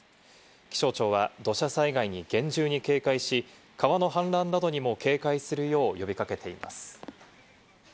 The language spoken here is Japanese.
気象庁は土砂災害に厳重に警戒し、川の氾濫などにも警戒するよう呼び掛けています。